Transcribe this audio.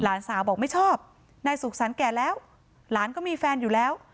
หลานสาวบอกไม่ชอบนายสุขสรรคแก่แล้วหลานก็มีแฟนอยู่แล้ว